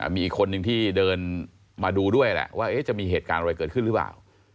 มีอีกคนนึงที่เดินมาดูด้วยแหละว่าจะมีเหตุการณ์อะไรเกิดขึ้นหรือเปล่า